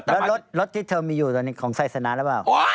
แล้วรถที่เธอมีอยู่ตอนนี้ของไซสนาหรือเปล่า